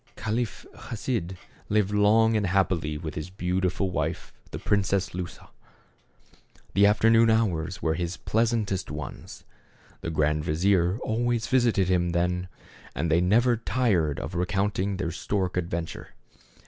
Caliph Chasid lived long and happily with his beautiful wife, the Princess Lusa. The after noon hours were his pleasantest ones. The grand vizier always visited him then, and they never tired of recounting their stork adventure.